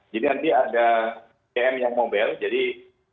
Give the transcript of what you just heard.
jadi nanti ada pm yang mobil jadi saya pertamina